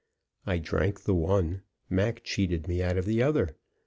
I drank the one; Mac cheated me of the other.